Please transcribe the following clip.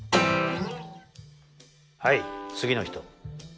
はい次の人。